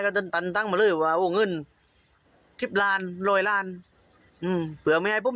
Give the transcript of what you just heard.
ได้ก็ตันตั้งมาเลยว่าเงินทิบลานโรยลานอืมเผื่อไม่ให้ปุ้ม